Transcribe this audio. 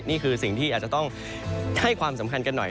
นี่คือสิ่งที่อาจจะต้องให้ความสำคัญกันหน่อย